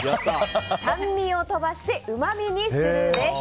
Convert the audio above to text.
酸味を飛ばしてうまみにする。